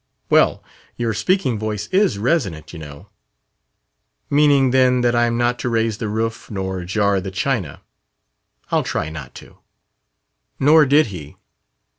"Well, your speaking voice is resonant, you know." "Meaning, then, that I am not to raise the roof nor jar the china. I'll try not to." Nor did he.